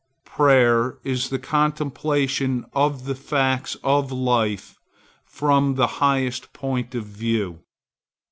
Prayer is the contemplation of the facts of life from the highest point of view.